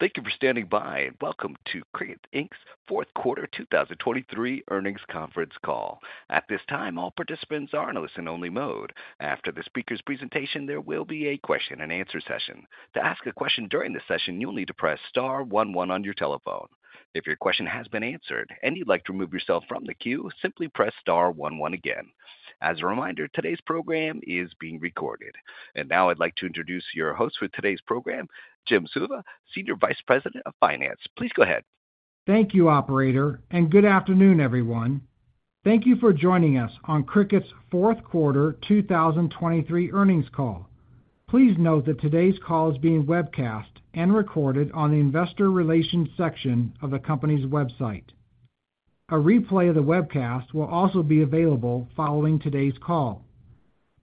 Thank you for standing by and welcome to Cricut, Inc.'s fourth quarter 2023 earnings conference call. At this time, all participants are in listen-only mode. After the speaker's presentation, there will be a question-and-answer session. To ask a question during the session, you'll need to press star one one on your telephone. If your question has been answered and you'd like to remove yourself from the queue, simply press star one one again. As a reminder, today's program is being recorded. Now I'd like to introduce your host for today's program, Jim Suva, Senior Vice President of Finance. Please go ahead. Thank you, operator, and good afternoon, everyone. Thank you for joining us on Cricut's fourth quarter 2023 earnings call. Please note that today's call is being webcast and recorded on the investor relations section of the company's website. A replay of the webcast will also be available following today's call.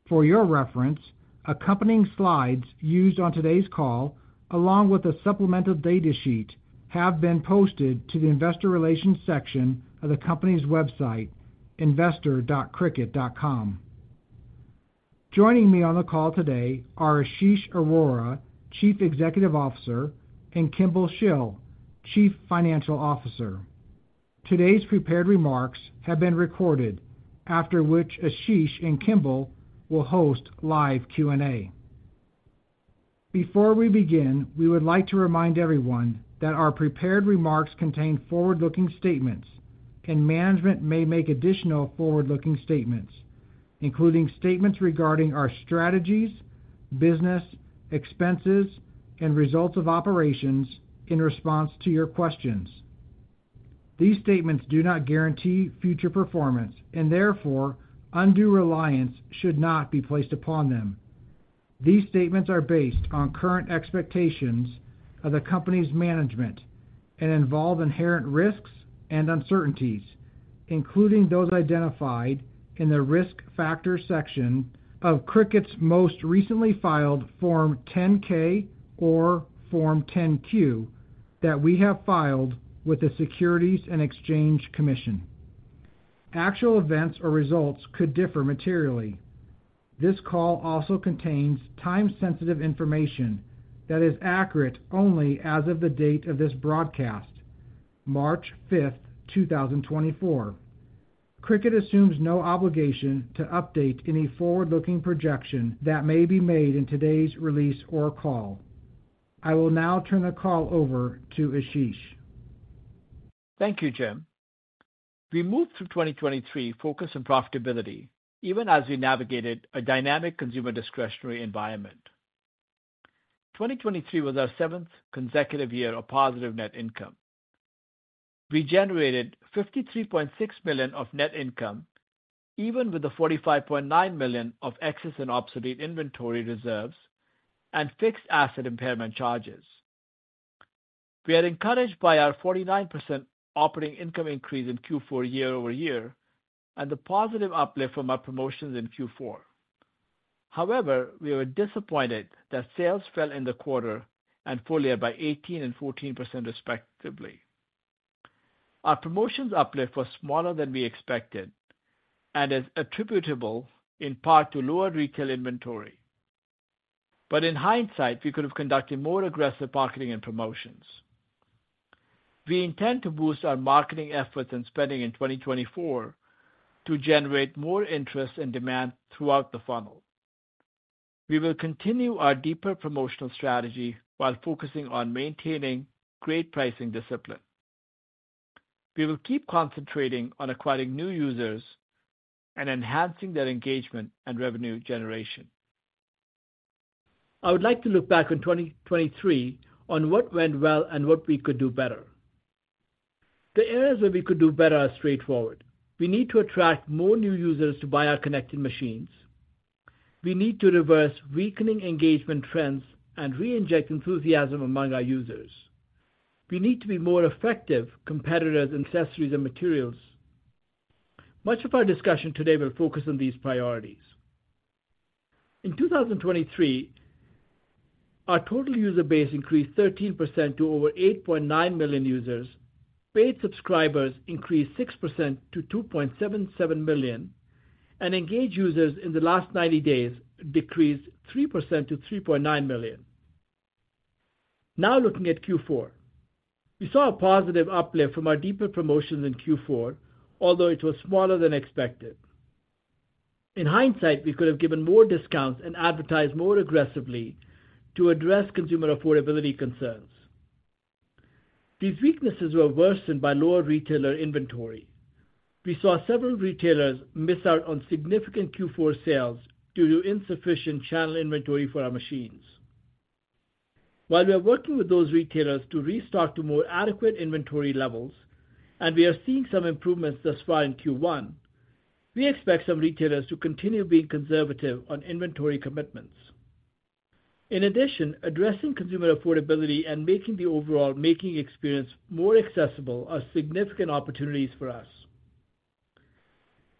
For your reference, accompanying slides used on today's call, along with a supplemental data sheet, have been posted to the investor relations section of the company's website, investor.cricut.com. Joining me on the call today are Ashish Arora, Chief Executive Officer, and Kimball Shill, Chief Financial Officer. Today's prepared remarks have been recorded, after which Ashish and Kimball will host live Q&A. Before we begin, we would like to remind everyone that our prepared remarks contain forward-looking statements, and management may make additional forward-looking statements, including statements regarding our strategies, business, expenses, and results of operations in response to your questions. These statements do not guarantee future performance and, therefore, undue reliance should not be placed upon them. These statements are based on current expectations of the company's management and involve inherent risks and uncertainties, including those identified in the risk factors section of Cricut's most recently filed Form 10-K or Form 10-Q that we have filed with the Securities and Exchange Commission. Actual events or results could differ materially. This call also contains time-sensitive information that is accurate only as of the date of this broadcast, March 5th, 2024. Cricut assumes no obligation to update any forward-looking projection that may be made in today's release or call. I will now turn the call over to Ashish. Thank you, Jim. We moved through 2023 focused on profitability even as we navigated a dynamic consumer discretionary environment. 2023 was our seventh consecutive year of positive net income. We generated $53.6 million of net income even with the $45.9 million of excess and obsolete inventory reserves and fixed asset impairment charges. We are encouraged by our 49% operating income increase in Q4 year-over-year and the positive uplift from our promotions in Q4. However, we were disappointed that sales fell in the quarter and followed by 18% and 14%, respectively. Our promotions uplift was smaller than we expected and is attributable in part to lowered retail inventory. In hindsight, we could have conducted more aggressive marketing and promotions. We intend to boost our marketing efforts and spending in 2024 to generate more interest and demand throughout the funnel. We will continue our deeper promotional strategy while focusing on maintaining great pricing discipline. We will keep concentrating on acquiring new users and enhancing their engagement and revenue generation. I would like to look back on 2023 on what went well and what we could do better. The areas where we could do better are straightforward. We need to attract more new users to buy our connected machines. We need to reverse weakening engagement trends and reinject enthusiasm among our users. We need to be more effective competitors in accessories and materials. Much of our discussion today will focus on these priorities. In 2023, our total user base increased 13% to over 8.9 million users, paid subscribers increased 6% to 2.77 million, and engaged users in the last 90 days decreased 3% to 3.9 million. Now looking at Q4, we saw a positive uplift from our deeper promotions in Q4, although it was smaller than expected. In hindsight, we could have given more discounts and advertised more aggressively to address consumer affordability concerns. These weaknesses were worsened by lower retailer inventory. We saw several retailers miss out on significant Q4 sales due to insufficient channel inventory for our machines. While we are working with those retailers to restock to more adequate inventory levels, and we are seeing some improvements thus far in Q1, we expect some retailers to continue being conservative on inventory commitments. In addition, addressing consumer affordability and making the overall making experience more accessible are significant opportunities for us.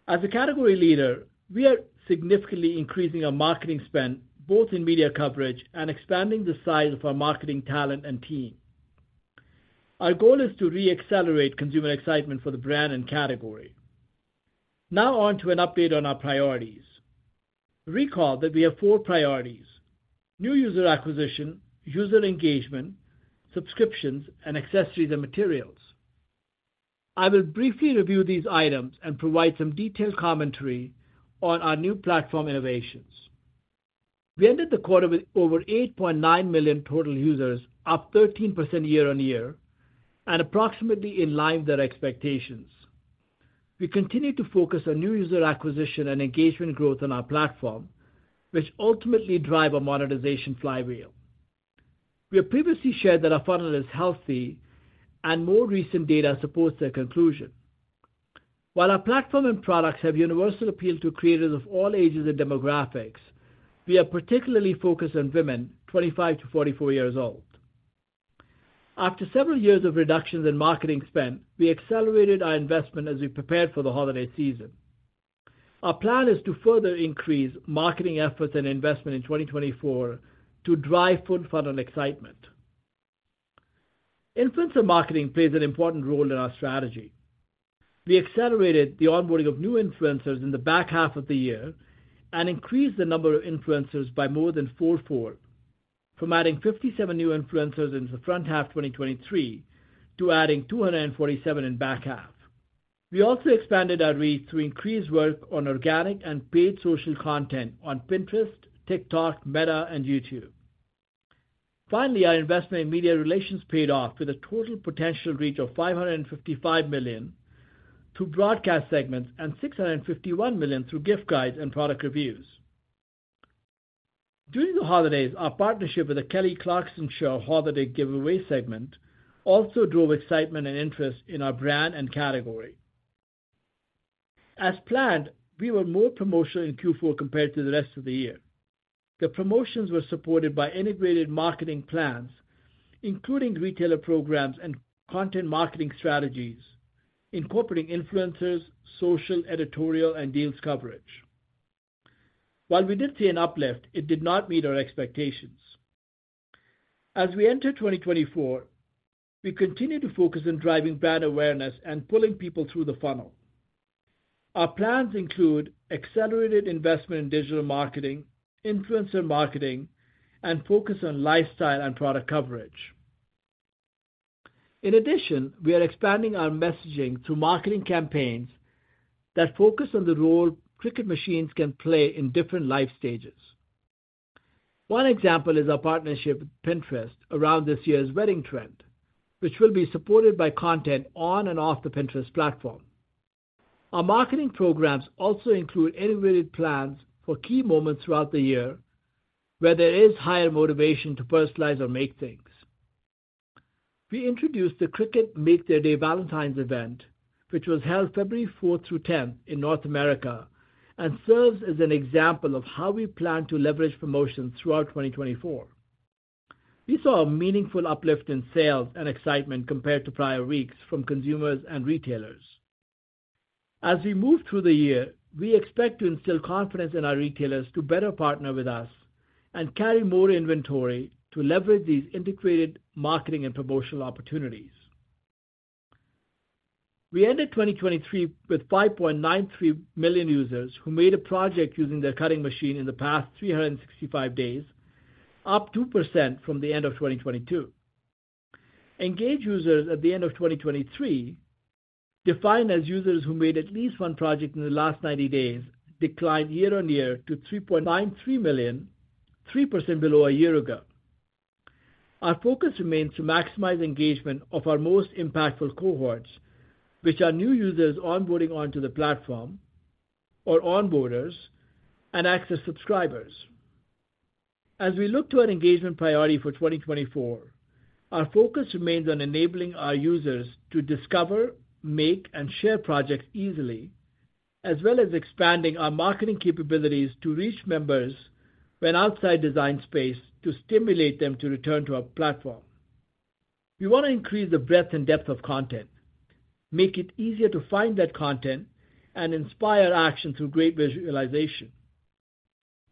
As a category leader, we are significantly increasing our marketing spend both in media coverage and expanding the size of our marketing talent and team. Our goal is to reaccelerate consumer excitement for the brand and category. Now on to an update on our priorities. Recall that we have four priorities: new user acquisition, user engagement, subscriptions, and accessories and materials. I will briefly review these items and provide some detailed commentary on our new platform innovations. We ended the quarter with over 8.9 million total users, up 13% year-on-year, and approximately in line with our expectations. We continue to focus on new user acquisition and engagement growth on our platform, which ultimately drive our monetization flywheel. We have previously shared that our funnel is healthy, and more recent data supports that conclusion. While our platform and products have universal appeal to creators of all ages and demographics, we are particularly focused on women 25-44 years old. After several years of reductions in marketing spend, we accelerated our investment as we prepared for the holiday season. Our plan is to further increase marketing efforts and investment in 2024 to drive full funnel excitement. Influencer marketing plays an important role in our strategy. We accelerated the onboarding of new influencers in the back half of the year and increased the number of influencers by more than fourfold, from adding 57 new influencers in the front half of 2023 to adding 247 in the back half. We also expanded our reach through increased work on organic and paid social content on Pinterest, TikTok, Meta, and YouTube. Finally, our investment in media relations paid off with a total potential reach of 555 million through broadcast segments and 651 million through gift guides and product reviews. During the holidays, our partnership with the Kelly Clarkson Show holiday giveaway segment also drove excitement and interest in our brand and category. As planned, we were more promotional in Q4 compared to the rest of the year. The promotions were supported by integrated marketing plans, including retailer programs and content marketing strategies, incorporating influencers, social, editorial, and deals coverage. While we did see an uplift, it did not meet our expectations. As we enter 2024, we continue to focus on driving brand awareness and pulling people through the funnel. Our plans include accelerated investment in digital marketing, influencer marketing, and focus on lifestyle and product coverage. In addition, we are expanding our messaging through marketing campaigns that focus on the role Cricut machines can play in different life stages. One example is our partnership with Pinterest around this year's wedding trend, which will be supported by content on and off the Pinterest platform. Our marketing programs also include integrated plans for key moments throughout the year where there is higher motivation to personalize or make things. We introduced the Cricut Make Their Day Valentine's event, which was held February 4th through 10th in North America and serves as an example of how we plan to leverage promotions throughout 2024. We saw a meaningful uplift in sales and excitement compared to prior weeks from consumers and retailers. As we move through the year, we expect to instill confidence in our retailers to better partner with us and carry more inventory to leverage these integrated marketing and promotional opportunities. We ended 2023 with 5.93 million users who made a project using their cutting machine in the past 365 days, up 2% from the end of 2022. Engaged users at the end of 2023, defined as users who made at least one project in the last 90 days, declined year-on-year to 3.93 million, 3% below a year ago. Our focus remains to maximize engagement of our most impactful cohorts, which are new users onboarding onto the platform or onboarders and Access subscribers. As we look to our engagement priority for 2024, our focus remains on enabling our users to discover, make, and share projects easily, as well as expanding our marketing capabilities to reach members when outside Design Space to stimulate them to return to our platform. We want to increase the breadth and depth of content, make it easier to find that content, and inspire action through great visualization.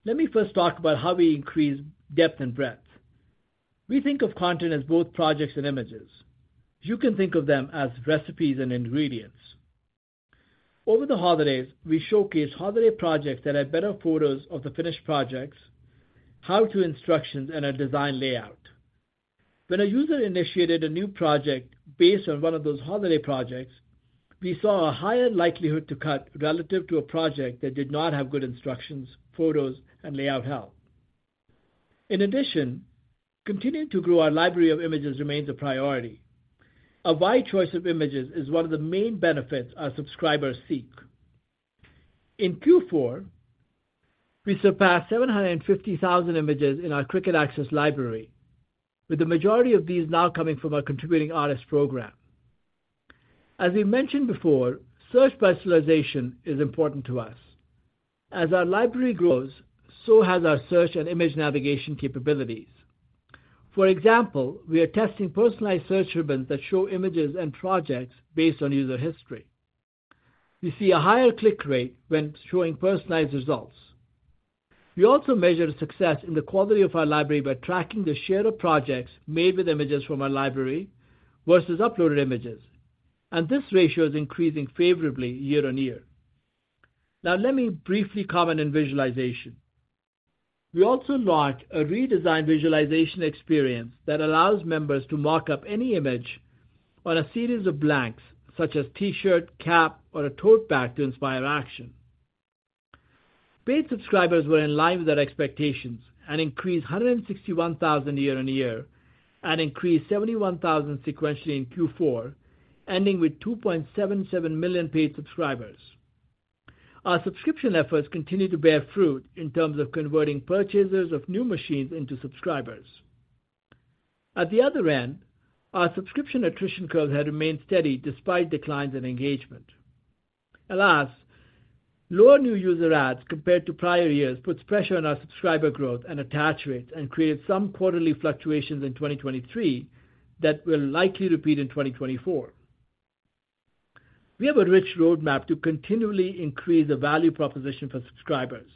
Let me first talk about how we increase depth and breadth. We think of content as both projects and images. You can think of them as recipes and ingredients. Over the holidays, we showcased holiday projects that had better photos of the finished projects, how-to instructions, and a design layout. When a user initiated a new project based on one of those holiday projects, we saw a higher likelihood to cut relative to a project that did not have good instructions, photos, and layout help. In addition, continuing to grow our library of images remains a priority. A wide choice of images is one of the main benefits our subscribers seek. In Q4, we surpassed 750,000 images in our Cricut Access library, with the majority of these now coming from our Contributing Artist Program. As we mentioned before, search personalization is important to us. As our library grows, so has our search and image navigation capabilities. For example, we are testing personalized search ribbons that show images and projects based on user history. We see a higher click rate when showing personalized results. We also measure success in the quality of our library by tracking the share of projects made with images from our library versus uploaded images, and this ratio is increasing favorably year-over-year. Now, let me briefly comment on visualization. We also launched a redesigned visualization experience that allows members to mark up any image on a series of blanks such as T-shirt, cap, or a tote bag to inspire action. Paid subscribers were in line with our expectations and increased 161,000 year-on-year and increased 71,000 sequentially in Q4, ending with 2.77 million paid subscribers. Our subscription efforts continue to bear fruit in terms of converting purchasers of new machines into subscribers. At the other end, our subscription attrition curve had remained steady despite declines in engagement. Alas, lower new user ads compared to prior years put pressure on our subscriber growth and attach rates and created some quarterly fluctuations in 2023 that will likely repeat in 2024. We have a rich roadmap to continually increase the value proposition for subscribers,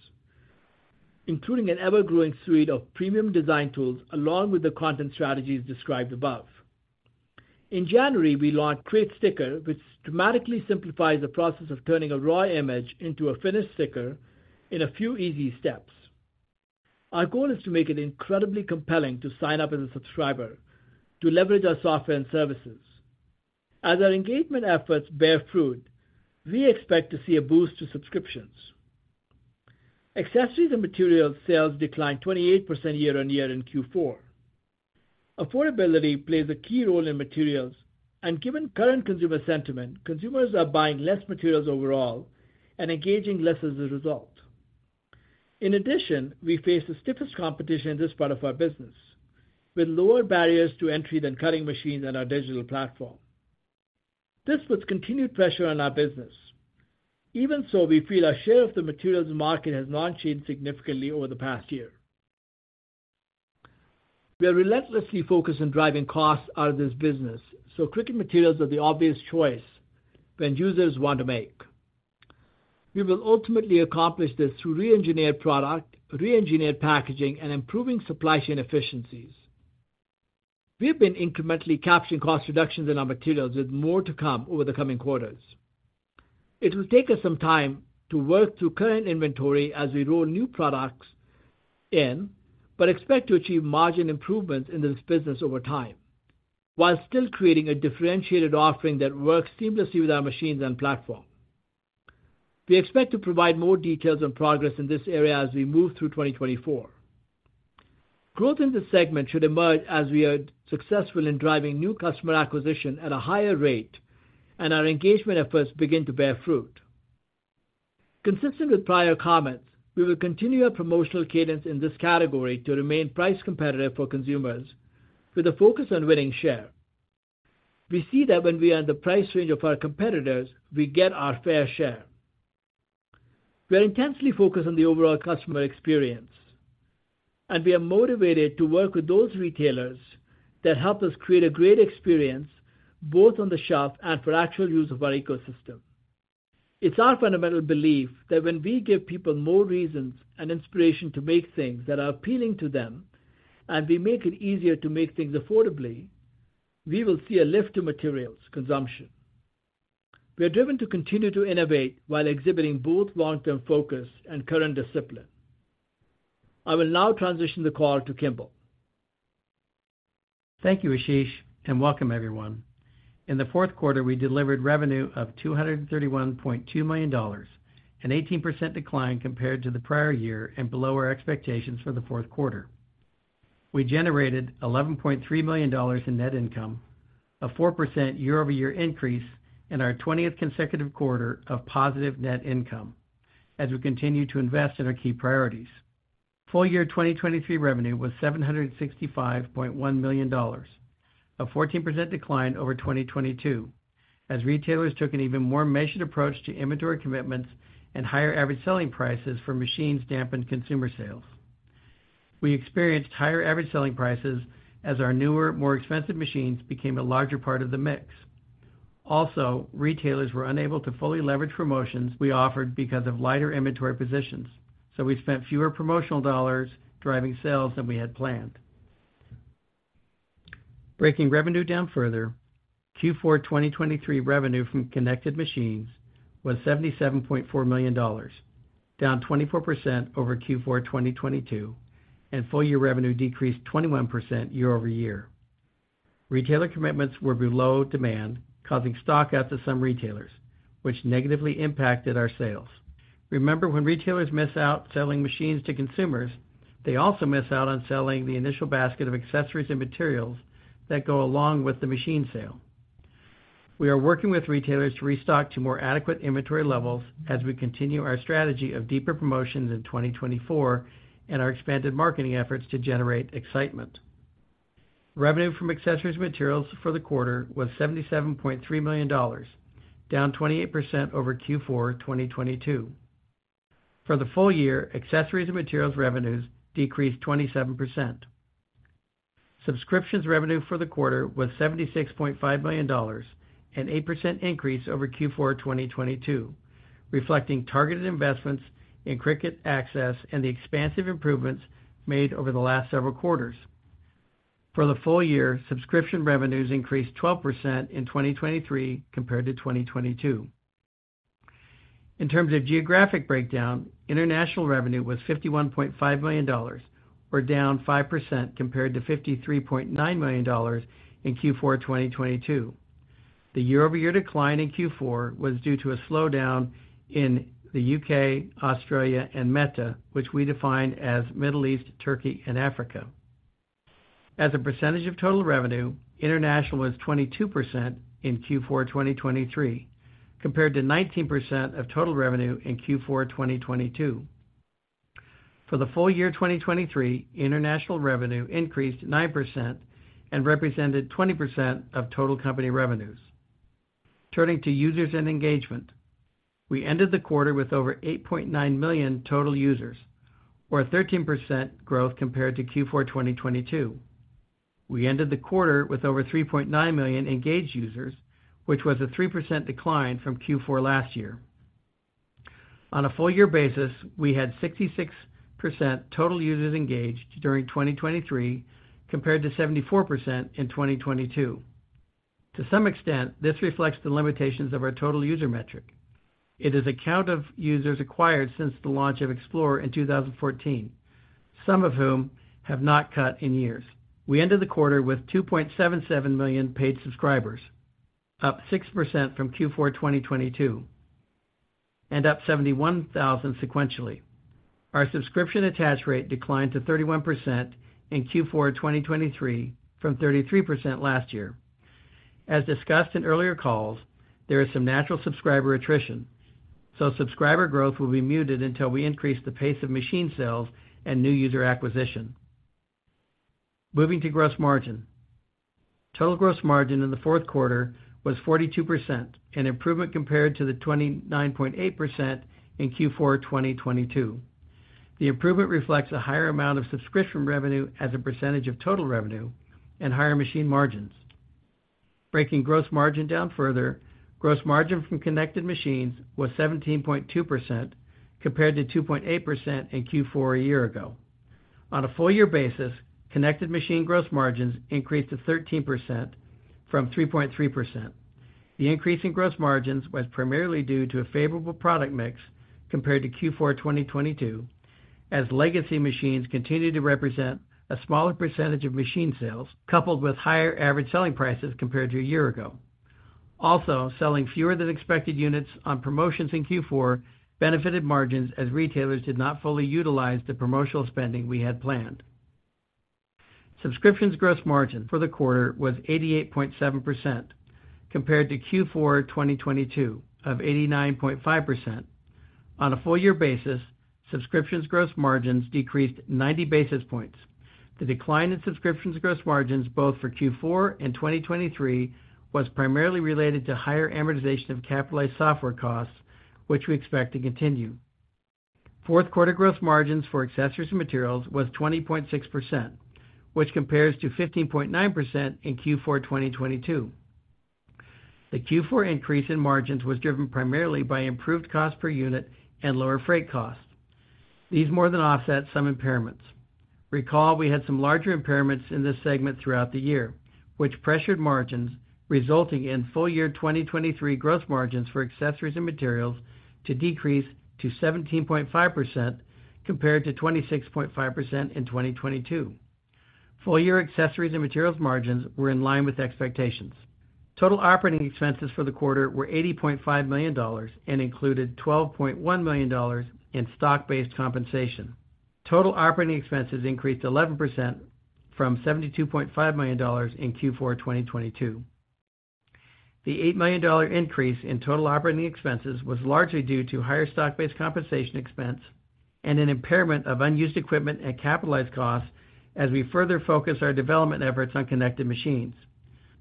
including an ever-growing suite of premium design tools along with the content strategies described above. In January, we launched Create Sticker, which dramatically simplifies the process of turning a raw image into a finished sticker in a few easy steps. Our goal is to make it incredibly compelling to sign up as a subscriber to leverage our software and services. As our engagement efforts bear fruit, we expect to see a boost to subscriptions. Accessories and materials sales declined 28% year-on-year in Q4. Affordability plays a key role in materials, and given current consumer sentiment, consumers are buying less materials overall and engaging less as a result. In addition, we face the stiffest competition in this part of our business, with lower barriers to entry than cutting machines and our digital platform. This puts continued pressure on our business. Even so, we feel our share of the materials market has not changed significantly over the past year. We are relentlessly focused on driving costs out of this business, so Cricut materials are the obvious choice when users want to make. We will ultimately accomplish this through re-engineered product, re-engineered packaging, and improving supply chain efficiencies. We have been incrementally capturing cost reductions in our materials with more to come over the coming quarters. It will take us some time to work through current inventory as we roll new products in but expect to achieve margin improvements in this business over time while still creating a differentiated offering that works seamlessly with our machines and platform. We expect to provide more details on progress in this area as we move through 2024. Growth in this segment should emerge as we are successful in driving new customer acquisition at a higher rate and our engagement efforts begin to bear fruit. Consistent with prior comments, we will continue our promotional cadence in this category to remain price competitive for consumers with a focus on winning share. We see that when we are in the price range of our competitors, we get our fair share. We are intensely focused on the overall customer experience, and we are motivated to work with those retailers that help us create a great experience both on the shelf and for actual use of our ecosystem. It's our fundamental belief that when we give people more reasons and inspiration to make things that are appealing to them and we make it easier to make things affordably, we will see a lift to materials consumption. We are driven to continue to innovate while exhibiting both long-term focus and current discipline. I will now transition the call to Kimball. Thank you, Ashish, and welcome, everyone. In the fourth quarter, we delivered revenue of $231.2 million, an 18% decline compared to the prior year and below our expectations for the fourth quarter. We generated $11.3 million in net income, a 4% year-over-year increase in our 20th consecutive quarter of positive net income as we continue to invest in our key priorities. Full year 2023 revenue was $765.1 million, a 14% decline over 2022 as retailers took an even more measured approach to inventory commitments and higher average selling prices for machine-stamped consumer sales. We experienced higher average selling prices as our newer, more expensive machines became a larger part of the mix. Also, retailers were unable to fully leverage promotions we offered because of lighter inventory positions, so we spent fewer promotional dollars driving sales than we had planned. Breaking revenue down further, Q4 2023 revenue from connected machines was $77.4 million, down 24% over Q4 2022, and full-year revenue decreased 21% year-over-year. Retailer commitments were below demand, causing stockouts of some retailers, which negatively impacted our sales. Remember, when retailers miss out selling machines to consumers, they also miss out on selling the initial basket of accessories and materials that go along with the machine sale. We are working with retailers to restock to more adequate inventory levels as we continue our strategy of deeper promotions in 2024 and our expanded marketing efforts to generate excitement. Revenue from accessories and materials for the quarter was $77.3 million, down 28% over Q4 2022. For the full year, accessories and materials revenues decreased 27%. Subscriptions revenue for the quarter was $76.5 million, an 8% increase over Q4 2022, reflecting targeted investments in Cricut Access and the expansive improvements made over the last several quarters. For the full year, subscription revenues increased 12% in 2023 compared to 2022. In terms of geographic breakdown, international revenue was $51.5 million, or down 5% compared to $53.9 million in Q4 2022. The year-over-year decline in Q4 was due to a slowdown in the U.K., Australia, and META, which we define as Middle East, Turkey, and Africa. As a percentage of total revenue, international was 22% in Q4 2023 compared to 19% of total revenue in Q4 2022. For the full year 2023, international revenue increased 9% and represented 20% of total company revenues. Turning to users and engagement, we ended the quarter with over 8.9 million total users, or a 13% growth compared to Q4 2022. We ended the quarter with over 3.9 million engaged users, which was a 3% decline from Q4 last year. On a full year basis, we had 66% total users engaged during 2023 compared to 74% in 2022. To some extent, this reflects the limitations of our total user metric. It is a count of users acquired since the launch of Explore in 2014, some of whom have not cut in years. We ended the quarter with 2.77 million paid subscribers, up 6% from Q4 2022, and up 71,000 sequentially. Our subscription attach rate declined to 31% in Q4 2023 from 33% last year. As discussed in earlier calls, there is some natural subscriber attrition, so subscriber growth will be muted until we increase the pace of machine sales and new user acquisition. Moving to gross margin. Total gross margin in the fourth quarter was 42%, an improvement compared to the 29.8% in Q4 2022. The improvement reflects a higher amount of subscription revenue as a percentage of total revenue and higher machine margins. Breaking gross margin down further, gross margin from connected machines was 17.2% compared to 2.8% in Q4 a year ago. On a full year basis, connected machine gross margins increased to 13% from 3.3%. The increase in gross margins was primarily due to a favorable product mix compared to Q4 2022, as legacy machines continue to represent a smaller percentage of machine sales coupled with higher average selling prices compared to a year ago. Also, selling fewer than expected units on promotions in Q4 benefited margins as retailers did not fully utilize the promotional spending we had planned. Subscriptions gross margin for the quarter was 88.7% compared to Q4 2022 of 89.5%. On a full year basis, subscriptions gross margins decreased 90 basis points. The decline in subscriptions gross margins both for Q4 and 2023 was primarily related to higher amortization of capitalized software costs, which we expect to continue. Fourth quarter gross margins for accessories and materials was 20.6%, which compares to 15.9% in Q4 2022. The Q4 increase in margins was driven primarily by improved cost per unit and lower freight costs. These more than offset some impairments. Recall, we had some larger impairments in this segment throughout the year, which pressured margins, resulting in full year 2023 gross margins for accessories and materials to decrease to 17.5% compared to 26.5% in 2022. Full year accessories and materials margins were in line with expectations. Total operating expenses for the quarter were $80.5 million and included $12.1 million in stock-based compensation. Total operating expenses increased 11% from $72.5 million in Q4 2022. The $8 million increase in total operating expenses was largely due to higher stock-based compensation expense and an impairment of unused equipment and capitalized costs as we further focused our development efforts on connected machines.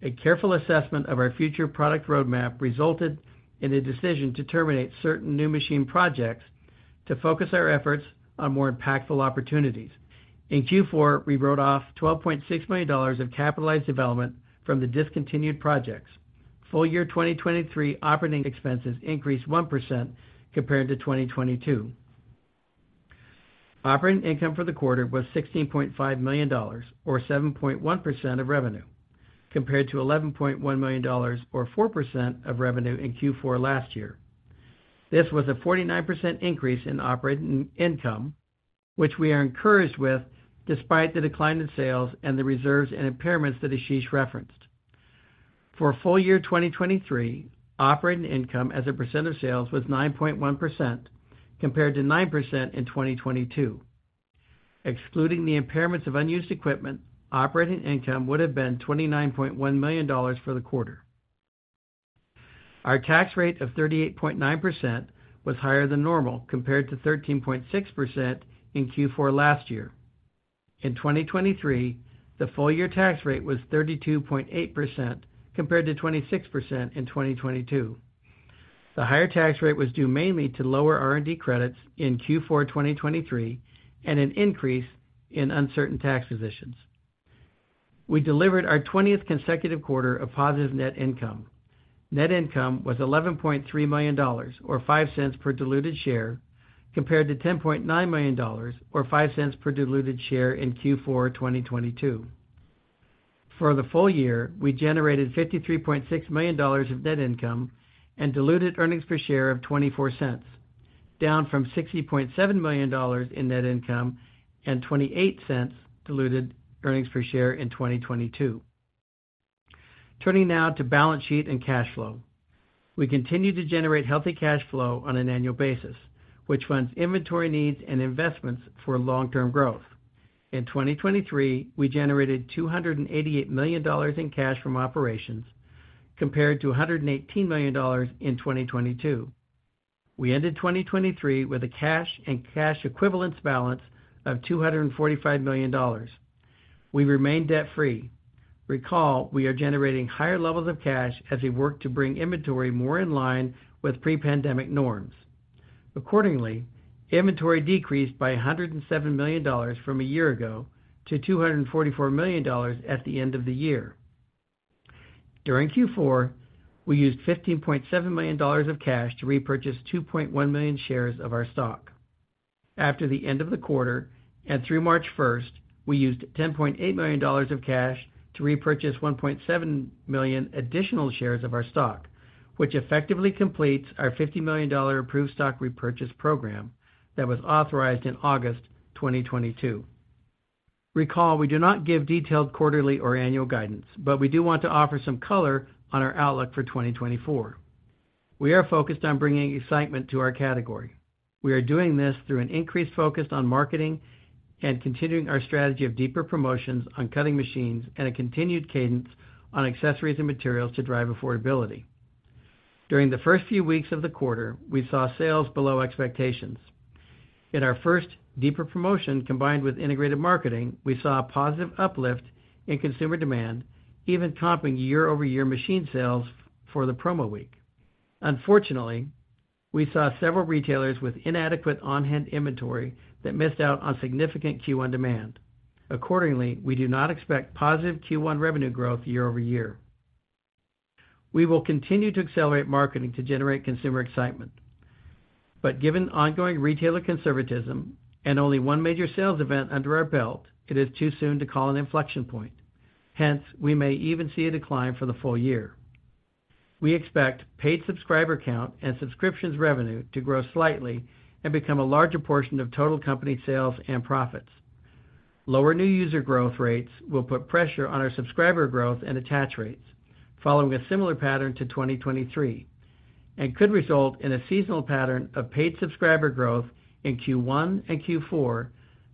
A careful assessment of our future product roadmap resulted in a decision to terminate certain new machine projects to focus our efforts on more impactful opportunities. In Q4, we wrote off $12.6 million of capitalized development from the discontinued projects. Full year 2023 operating expenses increased 1% compared to 2022. Operating income for the quarter was $16.5 million, or 7.1% of revenue, compared to $11.1 million, or 4% of revenue in Q4 last year. This was a 49% increase in operating income, which we are encouraged with despite the decline in sales and the reserves and impairments that Ashish referenced. For full year 2023, operating income as a percent of sales was 9.1% compared to 9% in 2022. Excluding the impairments of unused equipment, operating income would have been $29.1 million for the quarter. Our tax rate of 38.9% was higher than normal compared to 13.6% in Q4 last year. In 2023, the full year tax rate was 32.8% compared to 26% in 2022. The higher tax rate was due mainly to lower R&D credits in Q4 2023 and an increase in uncertain tax positions. We delivered our 20th consecutive quarter of positive net income. Net income was $11.3 million, or $0.05 per diluted share, compared to $10.9 million, or $0.05 per diluted share in Q4 2022. For the full year, we generated $53.6 million of net income and diluted earnings per share of $0.24, down from $60.7 million in net income and $0.28 diluted earnings per share in 2022. Turning now to balance sheet and cash flow. We continue to generate healthy cash flow on an annual basis, which funds inventory needs and investments for long-term growth. In 2023, we generated $288 million in cash from operations compared to $118 million in 2022. We ended 2023 with a cash and cash equivalents balance of $245 million. We remain debt-free. Recall, we are generating higher levels of cash as we work to bring inventory more in line with pre-pandemic norms. Accordingly, inventory decreased by $107 million from a year ago to $244 million at the end of the year. During Q4, we used $15.7 million of cash to repurchase 2.1 million shares of our stock. After the end of the quarter and through March 1st, we used $10.8 million of cash to repurchase 1.7 million additional shares of our stock, which effectively completes our $50 million approved stock repurchase program that was authorized in August 2022. Recall, we do not give detailed quarterly or annual guidance, but we do want to offer some color on our outlook for 2024. We are focused on bringing excitement to our category. We are doing this through an increased focus on marketing and continuing our strategy of deeper promotions on cutting machines and a continued cadence on accessories and materials to drive affordability. During the first few weeks of the quarter, we saw sales below expectations. In our first deeper promotion combined with integrated marketing, we saw a positive uplift in consumer demand, even comping year-over-year machine sales for the promo week. Unfortunately, we saw several retailers with inadequate on-hand inventory that missed out on significant Q1 demand. Accordingly, we do not expect positive Q1 revenue growth year-over-year. We will continue to accelerate marketing to generate consumer excitement. But given ongoing retailer conservatism and only one major sales event under our belt, it is too soon to call an inflection point. Hence, we may even see a decline for the full year. We expect paid subscriber count and subscriptions revenue to grow slightly and become a larger portion of total company sales and profits. Lower new user growth rates will put pressure on our subscriber growth and attach rates, following a similar pattern to 2023, and could result in a seasonal pattern of paid subscriber growth in Q1 and Q4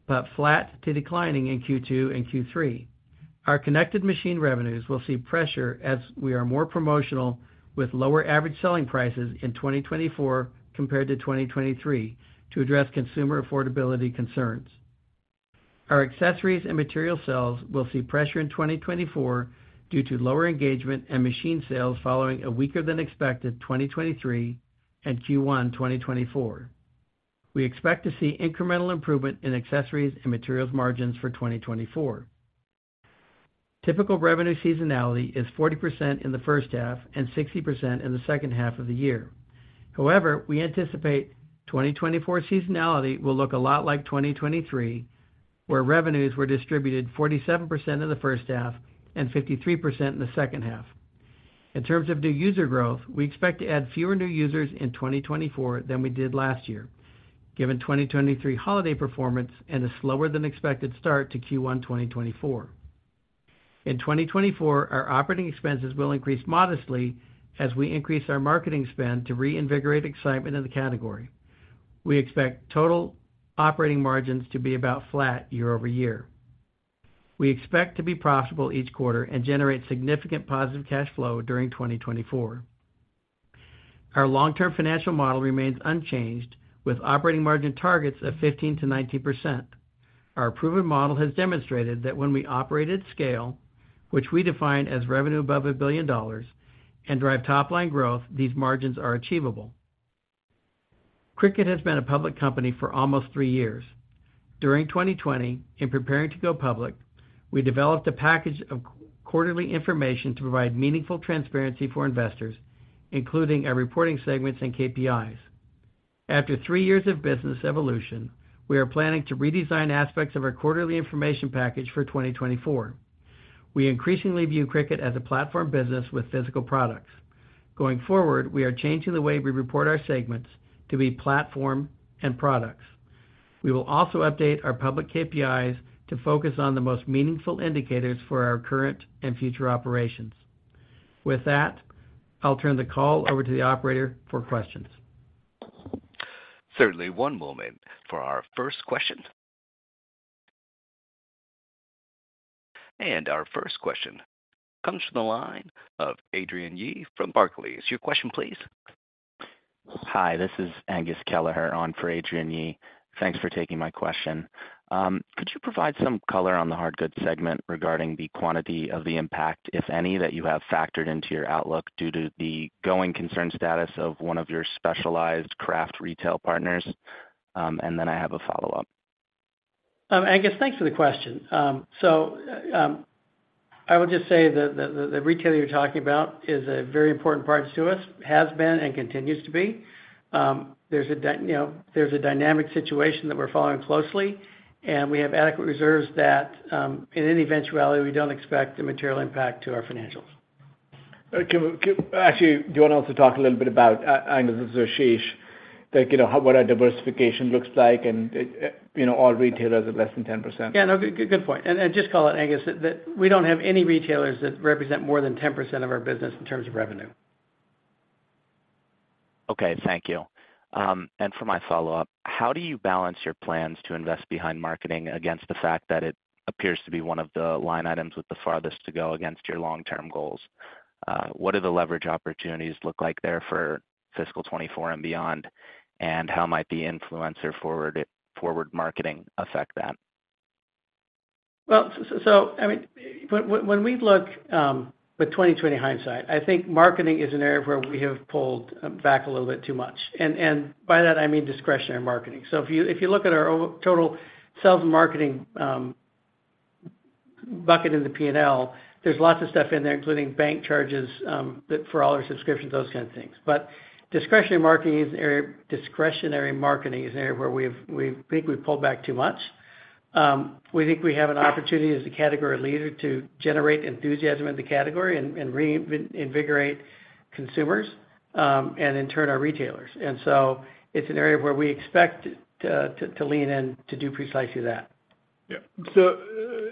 but flat to declining in Q2 and Q3. Our connected machine revenues will see pressure as we are more promotional with lower average selling prices in 2024 compared to 2023 to address consumer affordability concerns. Our accessories and material sales will see pressure in 2024 due to lower engagement and machine sales following a weaker than expected 2023 and Q1 2024. We expect to see incremental improvement in accessories and materials margins for 2024. Typical revenue seasonality is 40% in the first half and 60% in the second half of the year. However, we anticipate 2024 seasonality will look a lot like 2023, where revenues were distributed 47% in the first half and 53% in the second half. In terms of new user growth, we expect to add fewer new users in 2024 than we did last year, given 2023 holiday performance and a slower than expected start to Q1 2024. In 2024, our operating expenses will increase modestly as we increase our marketing spend to reinvigorate excitement in the category. We expect total operating margins to be about flat year-over-year. We expect to be profitable each quarter and generate significant positive cash flow during 2024. Our long-term financial model remains unchanged, with operating margin targets of 15%-19%. Our proven model has demonstrated that when we operate at scale, which we define as revenue above $1 billion, and drive top-line growth, these margins are achievable. Cricut has been a public company for almost three years. During 2020, in preparing to go public, we developed a package of quarterly information to provide meaningful transparency for investors, including our reporting segments and KPIs. After three years of business evolution, we are planning to redesign aspects of our quarterly information package for 2024. We increasingly view Cricut as a platform business with physical products. Going forward, we are changing the way we report our segments to be platform and products. We will also update our public KPIs to focus on the most meaningful indicators for our current and future operations. With that, I'll turn the call over to the operator for questions. Certainly. One moment for our first question. Our first question comes from the line of Adrienne Yih from Barclays. Your question, please. Hi, this is Angus Kelleher on for Adrienne Yih. Thanks for taking my question. Could you provide some color on the hard goods segment regarding the quantity of the impact, if any, that you have factored into your outlook due to the going concern status of one of your specialized craft retail partners? Then I have a follow-up. Angus, thanks for the question. I will just say that the retailer you're talking about is a very important partner to us, has been and continues to be. There's a dynamic situation that we're following closely, and we have adequate reserves that, in any eventuality, we don't expect a material impact to our financials. Kimball, do you want to also talk a little bit about, Angus, this is Ashish, what our diversification looks like and all retailers are less than 10%? Yeah, no, good point. And just call it, Angus, that we don't have any retailers that represent more than 10% of our business in terms of revenue. Okay, thank you. And for my follow-up, how do you balance your plans to invest behind marketing against the fact that it appears to be one of the line items with the farthest to go against your long-term goals? What do the leverage opportunities look like there for fiscal 2024 and beyond, and how might the influencer forward marketing affect that? Well, so I mean, when we look with 2020 hindsight, I think marketing is an area where we have pulled back a little bit too much. And by that, I mean discretionary marketing. So if you look at our total sales and marketing bucket in the P&L, there's lots of stuff in there, including bank charges for all our subscriptions, those kinds of things. But discretionary marketing is an area where we think we've pulled back too much. We think we have an opportunity as a category leader to generate enthusiasm in the category and reinvigorate consumers and, in turn, our retailers. And so it's an area where we expect to lean in to do precisely that. Yeah. So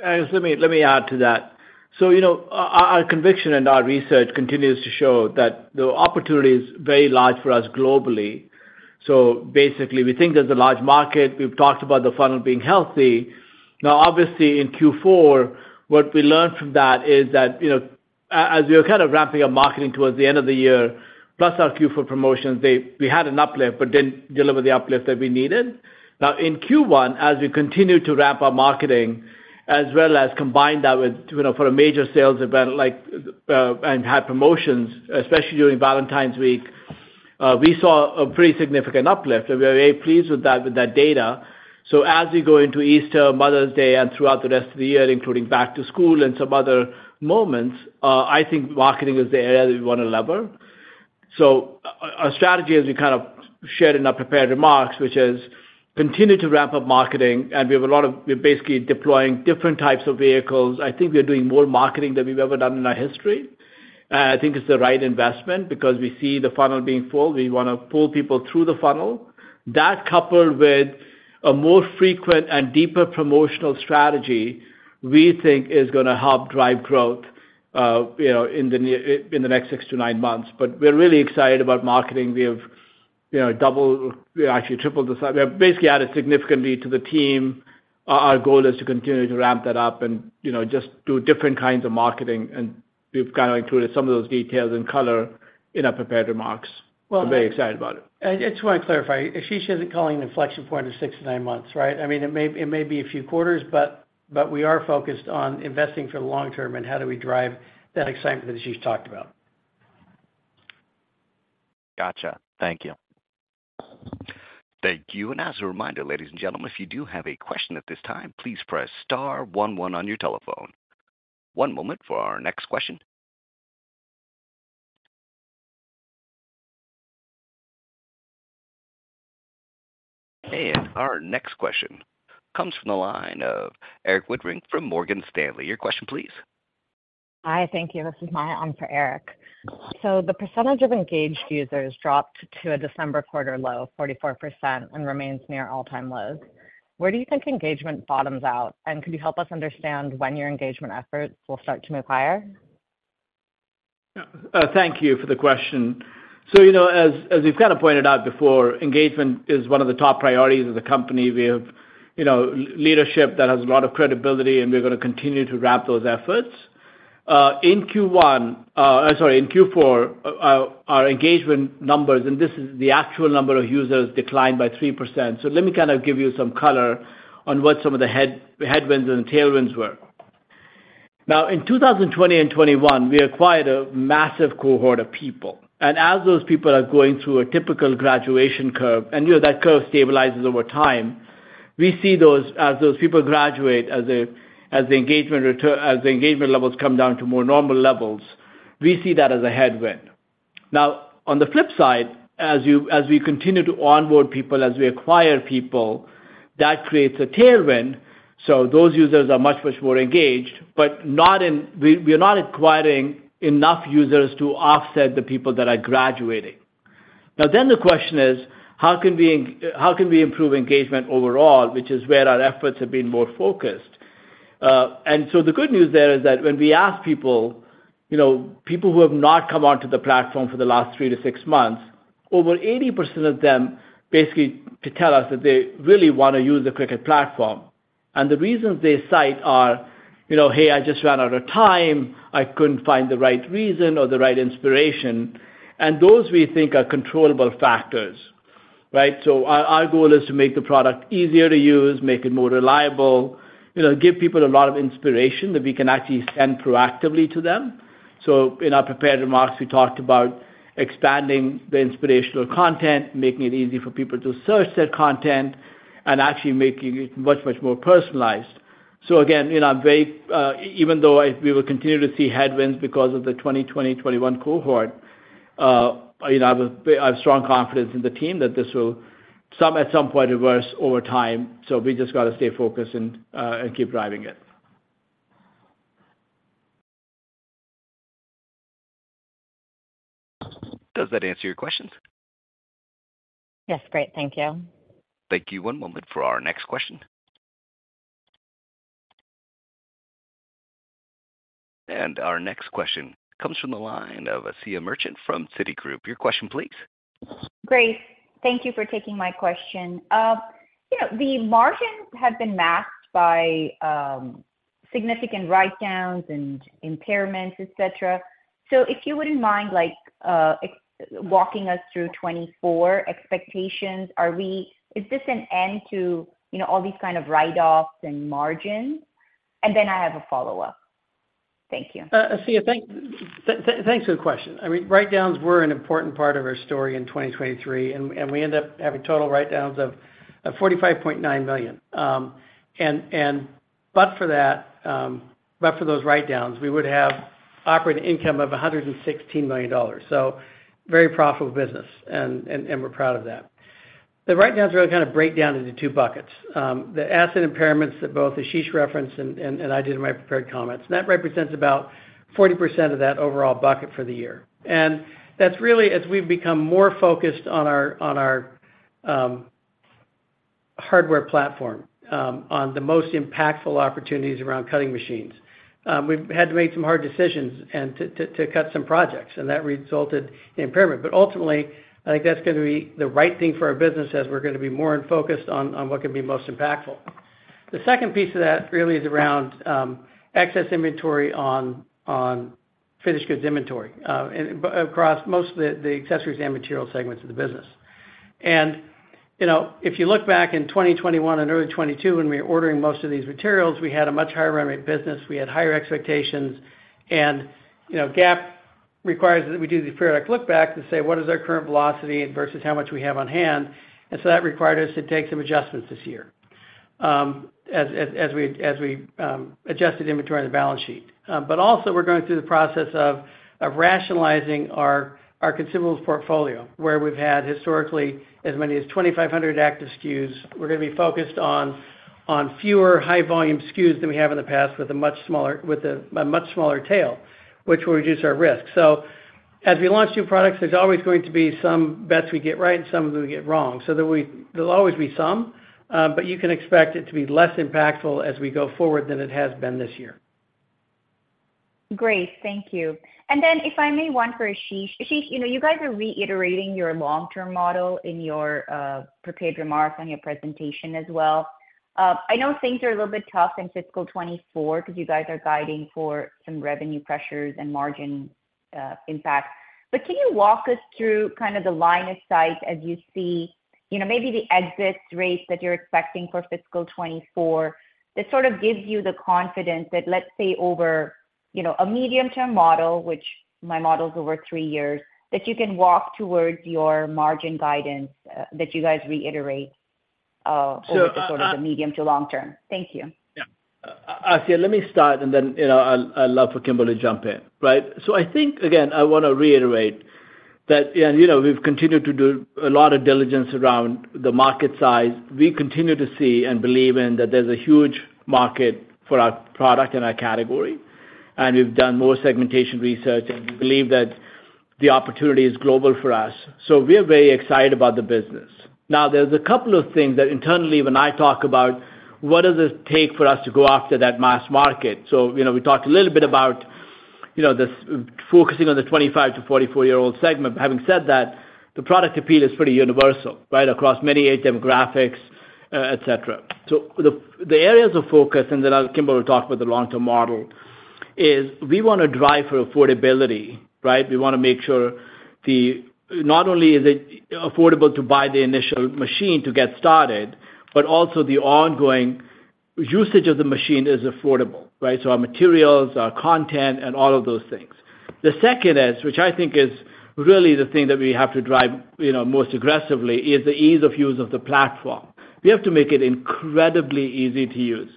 Angus, let me add to that. So our conviction and our research continues to show that the opportunity is very large for us globally. So basically, we think there's a large market. We've talked about the funnel being healthy. Now, obviously, in Q4, what we learned from that is that as we were kind of ramping up marketing towards the end of the year, plus our Q4 promotions, we had an uplift but didn't deliver the uplift that we needed. Now, in Q1, as we continue to ramp up marketing as well as combine that with for a major sales event and had promotions, especially during Valentine's Week, we saw a pretty significant uplift. And we were very pleased with that data. So as we go into Easter, Mother's Day, and throughout the rest of the year, including back to school and some other moments, I think marketing is the area that we want to lever. So our strategy is we kind of shared in our prepared remarks, which is continue to ramp up marketing. And we have a lot of we're basically deploying different types of vehicles. I think we are doing more marketing than we've ever done in our history. And I think it's the right investment because we see the funnel being full. We want to pull people through the funnel. That coupled with a more frequent and deeper promotional strategy, we think, is going to help drive growth in the next 6-9 months. But we're really excited about marketing. We have doubled, actually tripled. We have basically added significantly to the team. Our goal is to continue to ramp that up and just do different kinds of marketing. And we've kind of included some of those details and color in our prepared remarks. We're very excited about it. Well, I just want to clarify. Ashish isn't calling an inflection point of 6-9 months, right? I mean, it may be a few quarters, but we are focused on investing for the long term and how do we drive that excitement that Ashish talked about. Gotcha. Thank you. Thank you. And as a reminder, ladies and gentlemen, if you do have a question at this time, please press star one one on your telephone. One moment for our next question. And our next question comes from the line of Erik Woodring from Morgan Stanley. Your question, please. Hi, thank you. This is Maya on for Erik. So the percentage of engaged users dropped to a December quarter low of 44% and remains near all-time lows. Where do you think engagement bottoms out, and could you help us understand when your engagement efforts will start to move higher? Thank you for the question. So as we've kind of pointed out before, engagement is one of the top priorities of the company. We have leadership that has a lot of credibility, and we're going to continue to ramp those efforts. In Q1 sorry, in Q4, our engagement numbers and this is the actual number of users declined by 3%. So let me kind of give you some color on what some of the headwinds and the tailwinds were. Now, in 2020 and 2021, we acquired a massive cohort of people. And as those people are going through a typical graduation curve and that curve stabilizes over time, we see those as those people graduate, as the engagement levels come down to more normal levels, we see that as a headwind. Now, on the flip side, as we continue to onboard people, as we acquire people, that creates a tailwind. So those users are much, much more engaged, but we are not acquiring enough users to offset the people that are graduating. Now, then the question is, how can we improve engagement overall, which is where our efforts have been more focused? And so the good news there is that when we ask people who have not come onto the platform for the last 3-6 months, over 80% of them basically tell us that they really want to use the Cricut platform. And the reasons they cite are, "Hey, I just ran out of time. I couldn't find the right reason or the right inspiration." And those, we think, are controllable factors, right? So our goal is to make the product easier to use, make it more reliable, give people a lot of inspiration that we can actually send proactively to them. So in our prepared remarks, we talked about expanding the inspirational content, making it easy for people to search that content, and actually making it much, much more personalized. So again, I'm very even though we will continue to see headwinds because of the 2020-2021 cohort, I have strong confidence in the team that this will, at some point, reverse over time. So we just got to stay focused and keep driving it. Does that answer your questions? Yes, great. Thank you. Thank you. One moment for our next question. Our next question comes from the line of Asiya Merchant from Citigroup. Your question, please. Great. Thank you for taking my question. The margins have been masked by significant write-downs and impairments, etc. So if you wouldn't mind walking us through 2024 expectations, is this an end to all these kind of write-offs and margins? Then I have a follow-up. Thank you. Asiya, thanks for the question. I mean, write-downs were an important part of our story in 2023, and we ended up having total write-downs of $45.9 million. But for those write-downs, we would have operating income of $116 million. So very profitable business, and we're proud of that. The write-downs really kind of break down into two buckets: the asset impairments that both Ashish referenced and I did in my prepared comments. And that represents about 40% of that overall bucket for the year. And that's really as we've become more focused on our hardware platform, on the most impactful opportunities around cutting machines. We've had to make some hard decisions and to cut some projects, and that resulted in impairment. But ultimately, I think that's going to be the right thing for our business as we're going to be more focused on what can be most impactful. The second piece of that really is around excess inventory on finished goods inventory across most of the accessories and material segments of the business. And if you look back in 2021 and early 2022, when we were ordering most of these materials, we had a much higher run rate business. We had higher expectations. And GAAP requires that we do the periodic lookback to say, "What is our current velocity versus how much we have on hand?" And so that required us to take some adjustments this year as we adjusted inventory on the balance sheet. But also, we're going through the process of rationalizing our consumables portfolio, where we've had historically as many as 2,500 active SKUs. We're going to be focused on fewer high-volume SKUs than we have in the past with a much smaller tail, which will reduce our risk. So as we launch new products, there's always going to be some bets we get right and some that we get wrong. So there'll always be some, but you can expect it to be less impactful as we go forward than it has been this year. Great. Thank you. And then if I may, one for Ashish. Ashish, you guys are reiterating your long-term model in your prepared remarks and your presentation as well. I know things are a little bit tough in fiscal 2024 because you guys are guiding for some revenue pressures and margin impact. But can you walk us through kind of the line of sight as you see maybe the exit rate that you're expecting for fiscal 2024 that sort of gives you the confidence that, let's say, over a medium-term model, which my model is over three years, that you can walk towards your margin guidance that you guys reiterate over the sort of the medium to long term? Thank you. Yeah. Asiya, let me start, and then I'd love for Kimball to jump in, right? I think, again, I want to reiterate that we've continued to do a lot of diligence around the market size. We continue to see and believe in that there's a huge market for our product and our category. And we've done more segmentation research, and we believe that the opportunity is global for us. So we are very excited about the business. Now, there's a couple of things that internally, when I talk about, "What does it take for us to go after that mass market?" So we talked a little bit about focusing on the 25-44-year-old segment. But having said that, the product appeal is pretty universal, right, across many age demographics, etc. So the areas of focus and then Kimball will talk about the long-term model is we want to drive for affordability, right? We want to make sure not only is it affordable to buy the initial machine to get started, but also the ongoing usage of the machine is affordable, right? So our materials, our content, and all of those things. The second is, which I think is really the thing that we have to drive most aggressively, is the ease of use of the platform. We have to make it incredibly easy to use.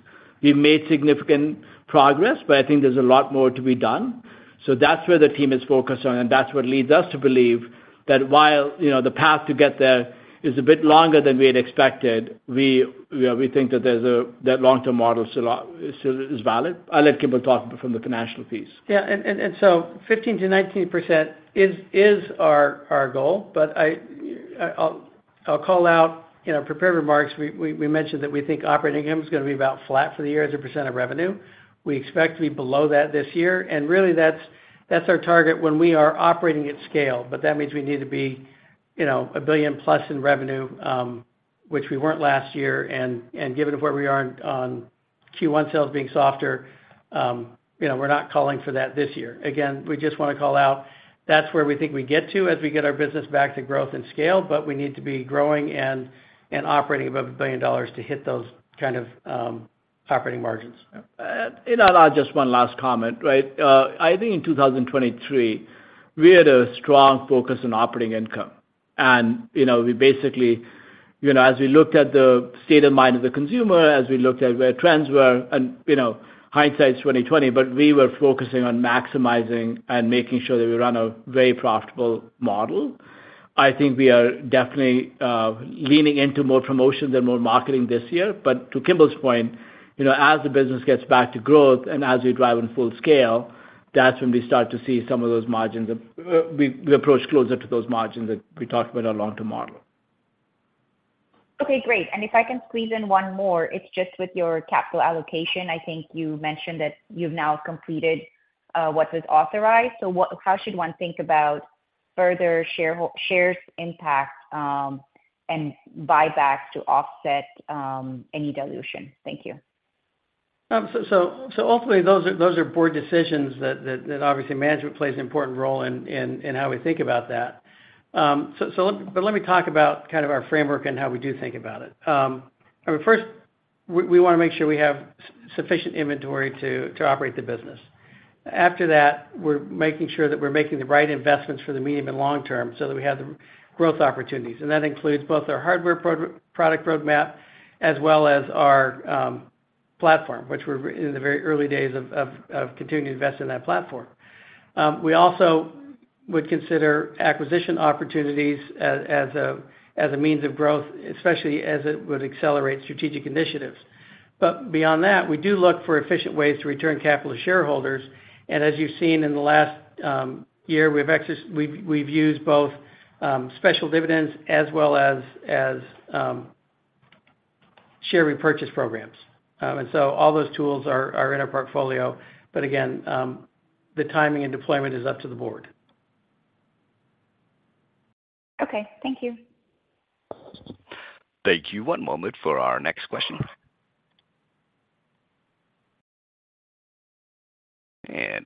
We've made significant progress, but I think there's a lot more to be done. So that's where the team is focused on, and that's what leads us to believe that while the path to get there is a bit longer than we had expected, we think that that long-term model still is valid. I'll let Kimball talk from the financial piece. Yeah. And so 15%-19% is our goal. But I'll call out prepared remarks. We mentioned that we think operating income is going to be about flat for the year as a % of revenue. We expect to be below that this year. And really, that's our target when we are operating at scale. But that means we need to be $1 billion+ in revenue, which we weren't last year. And given where we are on Q1 sales being softer, we're not calling for that this year. Again, we just want to call out that's where we think we get to as we get our business back to growth and scale. But we need to be growing and operating above $1 billion to hit those kind of operating margins. And I'll add just one last comment, right? I think in 2023, we had a strong focus on operating income. And we basically as we looked at the state of mind of the consumer, as we looked at where trends were, and hindsight's 20/20, but we were focusing on maximizing and making sure that we run a very profitable model. I think we are definitely leaning into more promotions and more marketing this year. But to Kimball's point, as the business gets back to growth and as we drive on full scale, that's when we start to see some of those margins we approach closer to those margins that we talked about our long-term model. Okay. Great. And if I can squeeze in one more, it's just with your capital allocation. I think you mentioned that you've now completed what was authorized. So how should one think about further shares' impact and buybacks to offset any dilution? Thank you. So ultimately, those are board decisions that obviously management plays an important role in how we think about that. But let me talk about kind of our framework and how we do think about it. I mean, first, we want to make sure we have sufficient inventory to operate the business. After that, we're making sure that we're making the right investments for the medium and long term so that we have the growth opportunities. That includes both our hardware product roadmap as well as our platform, which we're in the very early days of continuing to invest in that platform. We also would consider acquisition opportunities as a means of growth, especially as it would accelerate strategic initiatives. Beyond that, we do look for efficient ways to return capital to shareholders. As you've seen in the last year, we've used both special dividends as well as share repurchase programs. So all those tools are in our portfolio. Again, the timing and deployment is up to the board. Okay. Thank you. Thank you. One moment for our next question.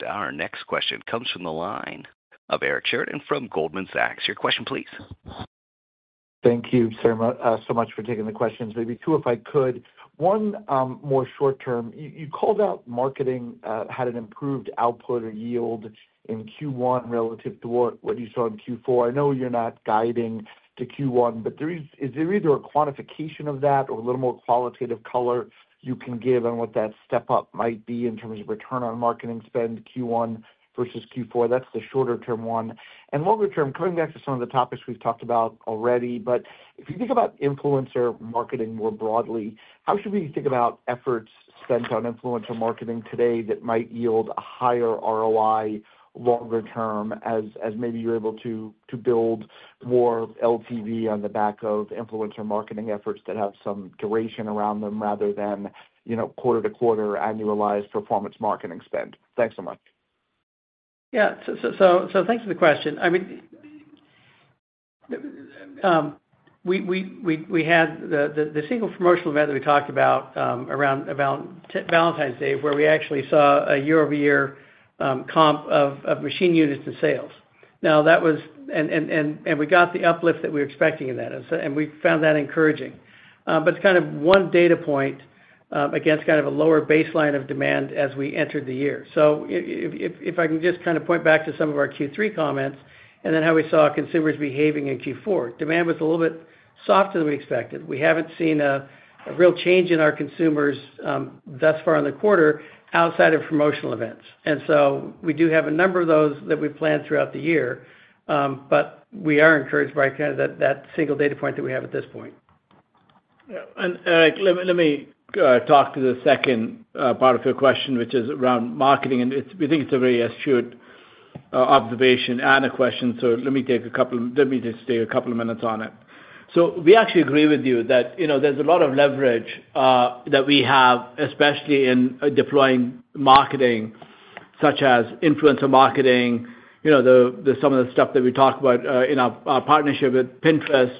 Our next question comes from the line of Eric Sheridan from Goldman Sachs. Your question, please. Thank you so much for taking the questions. Maybe two, if I could. One more short-term. You called out marketing had an improved output or yield in Q1 relative to what you saw in Q4. I know you're not guiding to Q1, but is there either a quantification of that or a little more qualitative color you can give on what that step-up might be in terms of return on marketing spend Q1 versus Q4? That's the shorter-term one. And longer-term, coming back to some of the topics we've talked about already, but if you think about influencer marketing more broadly, how should we think about efforts spent on influencer marketing today that might yield a higher ROI longer-term as maybe you're able to build more LTV on the back of influencer marketing efforts that have some duration around them rather than quarter-to-quarter annualized performance marketing spend? Thanks so much. Yeah. So thanks for the question. I mean, we had the single promotional event that we talked about around Valentine's Day, where we actually saw a year-over-year comp of machine units and sales. Now, that was and we got the uplift that we were expecting in that, and we found that encouraging. But it's kind of one data point against kind of a lower baseline of demand as we entered the year. So if I can just kind of point back to some of our Q3 comments and then how we saw consumers behaving in Q4, demand was a little bit softer than we expected. We haven't seen a real change in our consumers thus far in the quarter outside of promotional events. So we do have a number of those that we plan throughout the year, but we are encouraged by kind of that single data point that we have at this point. Yeah. Eric, let me talk to the second part of your question, which is around marketing. We think it's a very astute observation and a question. So let me just take a couple of minutes on it. We actually agree with you that there's a lot of leverage that we have, especially in deploying marketing such as influencer marketing, some of the stuff that we talk about in our partnership with Pinterest,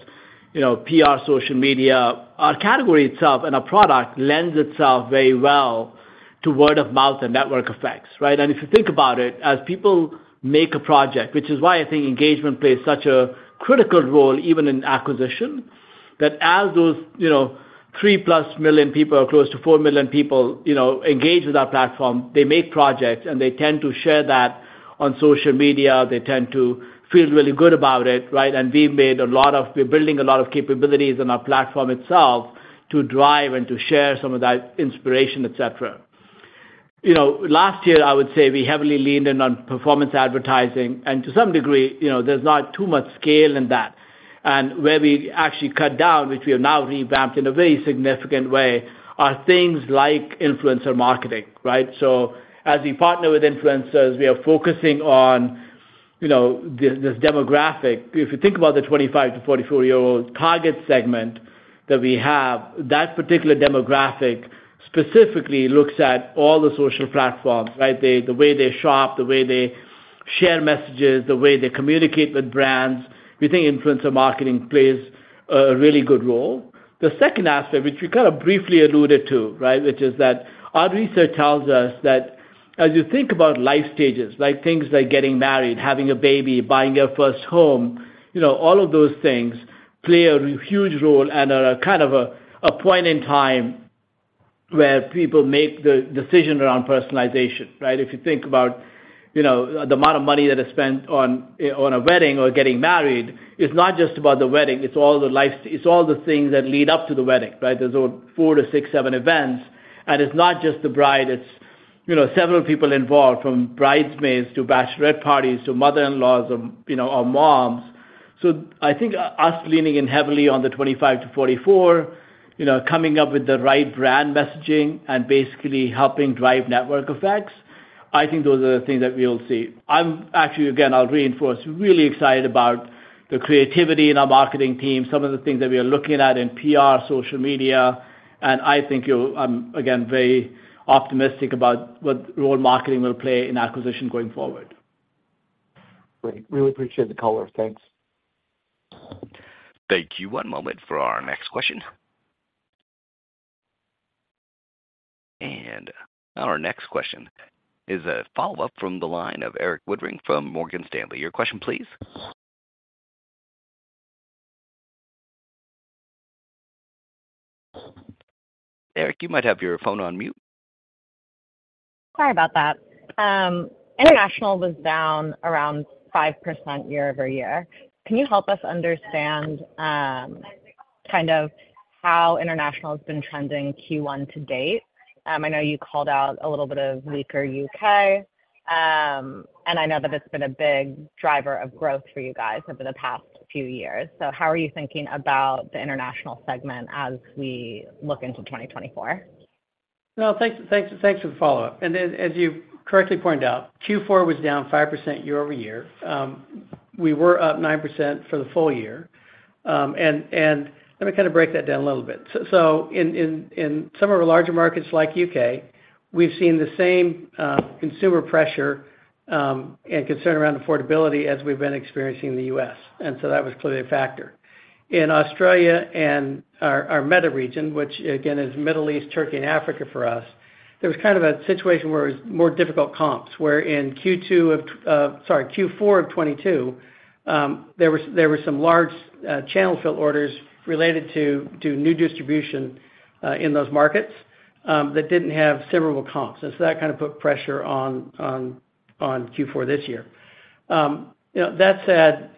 PR, social media. Our category itself and our product lends itself very well to word of mouth and network effects, right? And if you think about it, as people make a project, which is why I think engagement plays such a critical role even in acquisition, that as those 3+ million people or close to 4 million people engage with our platform, they make projects, and they tend to share that on social media. They tend to feel really good about it, right? And we're building a lot of capabilities in our platform itself to drive and to share some of that inspiration, etc. Last year, I would say we heavily leaned in on performance advertising. And to some degree, there's not too much scale in that. And where we actually cut down, which we have now revamped in a very significant way, are things like influencer marketing, right? So as we partner with influencers, we are focusing on this demographic. If you think about the 25-44-year-old target segment that we have, that particular demographic specifically looks at all the social platforms, right? The way they shop, the way they share messages, the way they communicate with brands. We think influencer marketing plays a really good role. The second aspect, which we kind of briefly alluded to, right, which is that our research tells us that as you think about life stages, like things like getting married, having a baby, buying your first home, all of those things play a huge role and are kind of a point in time where people make the decision around personalization, right? If you think about the amount of money that is spent on a wedding or getting married, it's not just about the wedding. It's all the life it's all the things that lead up to the wedding, right? There's four to six, seven events. And it's not just the bride. It's several people involved from bridesmaids to bachelorette parties to mother-in-laws or moms. So I think us leaning in heavily on the 25-44, coming up with the right brand messaging and basically helping drive network effects, I think those are the things that we will see. I'm actually, again, I'll reinforce, really excited about the creativity in our marketing team, some of the things that we are looking at in PR, social media. And I think I'm, again, very optimistic about what role marketing will play in acquisition going forward. Great. Really appreciate the color. Thanks. Thank you. One moment for our next question. And our next question is a follow-up from the line of Erik Woodring from Morgan Stanley. Your question, please. Erik, you might have your phone on mute. Sorry about that. International was down around 5% year-over-year. Can you help us understand kind of how international has been trending Q1 to date? I know you called out a little bit of weaker U.K., and I know that it's been a big driver of growth for you guys over the past few years. So how are you thinking about the international segment as we look into 2024? No, thanks for the follow-up. And as you correctly pointed out, Q4 was down 5% year-over-year. We were up 9% for the full year. And let me kind of break that down a little bit. So in some of our larger markets like U.K., we've seen the same consumer pressure and concern around affordability as we've been experiencing in the U.S. And so that was clearly a factor. In Australia and our META region, which, again, is Middle East, Turkey, and Africa for us, there was kind of a situation where it was more difficult comps, where in Q2 of sorry, Q4 of 2022, there were some large channel-filled orders related to new distribution in those markets that didn't have similar comps. And so that kind of put pressure on Q4 this year. That said,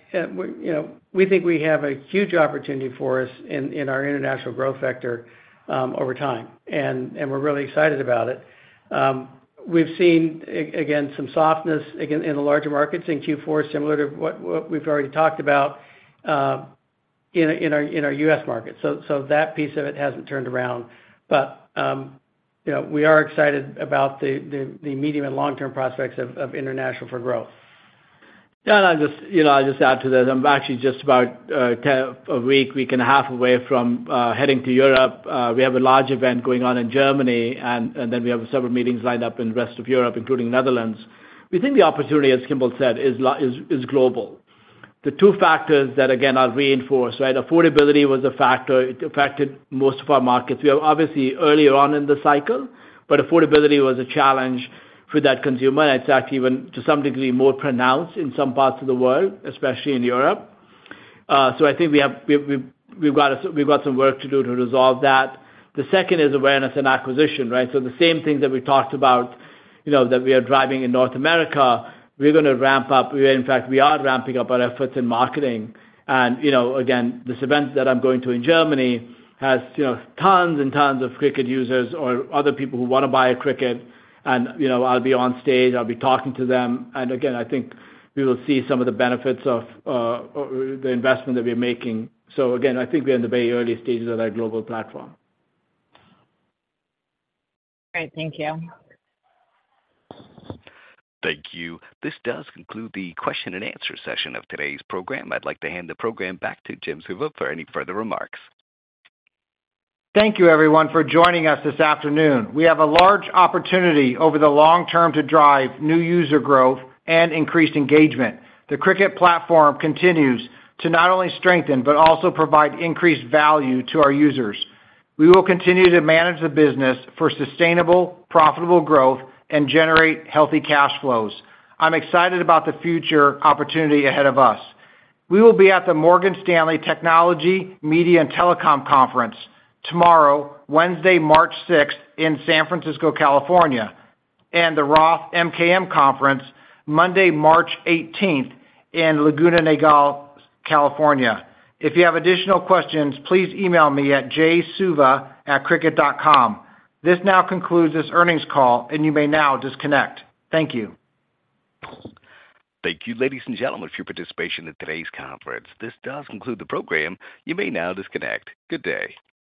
we think we have a huge opportunity for us in our international growth vector over time, and we're really excited about it. We've seen, again, some softness in the larger markets in Q4, similar to what we've already talked about in our U.S. market. So that piece of it hasn't turned around. But we are excited about the medium and long-term prospects of international for growth. Yeah. And I'll just add to that. I'm actually just about a week, week and a half away from heading to Europe. We have a large event going on in Germany, and then we have several meetings lined up in the rest of Europe, including Netherlands. We think the opportunity, as Kimball said, is global. The two factors that, again, I'll reinforce, right? Affordability was a factor. It affected most of our markets. We are obviously earlier on in the cycle, but affordability was a challenge for that consumer. And it's actually even, to some degree, more pronounced in some parts of the world, especially in Europe. So I think we've got some work to do to resolve that. The second is awareness and acquisition, right? So the same things that we talked about that we are driving in North America, we're going to ramp up. In fact, we are ramping up our efforts in marketing. And again, this event that I'm going to in Germany has tons and tons of Cricut users or other people who want to buy a Cricut. And I'll be on stage. I'll be talking to them. And again, I think we will see some of the benefits of the investment that we are making. So again, I think we are in the very early stages of our global platform. Great. Thank you. Thank you. This does conclude the question-and-answer session of today's program. I'd like to hand the program back to Jim Suva for any further remarks. Thank you, everyone, for joining us this afternoon. We have a large opportunity over the long term to drive new user growth and increased engagement. The Cricut platform continues to not only strengthen but also provide increased value to our users. We will continue to manage the business for sustainable, profitable growth and generate healthy cash flows. I'm excited about the future opportunity ahead of us. We will be at the Morgan Stanley Technology, Media, and Telecom Conference tomorrow, Wednesday, March 6th, in San Francisco, California, and the Roth MKM Conference, Monday, March 18th, in Laguna Niguel, California. If you have additional questions, please email me at jsuva@cricut.com. This now concludes this earnings call, and you may now disconnect. Thank you. Thank you, ladies and gentlemen, for your participation in today's conference. This does conclude the program. You may now disconnect. Good day.